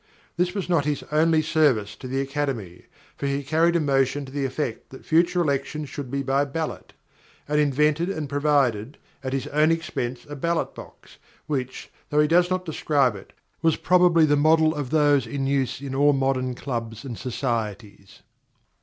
This was not his only service to the Academy, for he carried a motion to the effect that future elections should be by ballot; and invented and provided, at his own expense, a ballot box which, though he does not describe it, was probably the model of those in use in all modern clubs and societies.